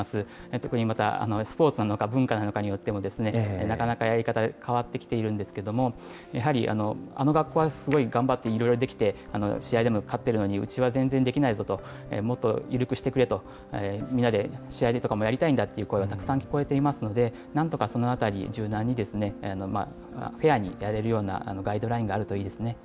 特にまたスポーツなのか、文化なのかによっても、なかなかやり方が変わってきているんですけれども、やはりあの学校はすごい頑張っていろいろできて、試合でも勝ってるのに、うちは全然できないぞと、もっと緩くしてくれと、みんなで試合とかもやりたいんだという声もたくさん聞こえていますので、なんとかそのあたり柔軟にフェアにできるようなガイドラインがあるといいですね。